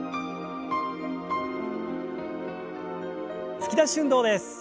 突き出し運動です。